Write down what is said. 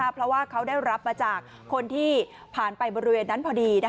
เพราะว่าเขาได้รับมาจากคนที่ผ่านไปบริเวณนั้นพอดี